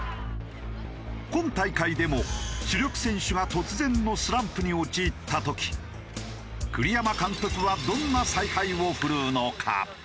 今大会でも主力選手が突然のスランプに陥った時栗山監督はどんな采配を振るうのか？